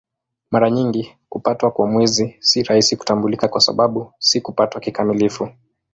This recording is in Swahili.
Mara nyingi kupatwa kwa Mwezi si rahisi kutambulika kwa sababu si kupatwa kikamilifu.